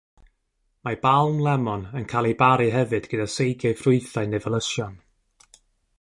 Mae balm lemon yn cael ei baru hefyd gyda seigiau ffrwythau neu felysion.